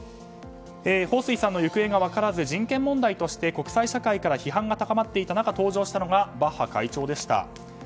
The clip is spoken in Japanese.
ホウ・スイさんの行方が分からず人権問題として国際社会から批判が高まっていた中登場したのがバッハ会長でした。